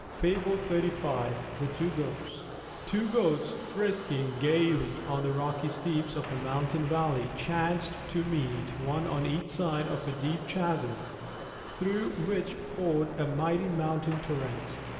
_ THE TWO GOATS Two Goats, frisking gayly on the rocky steeps of a mountain valley, chanced to meet, one on each side of a deep chasm through which poured a mighty mountain torrent.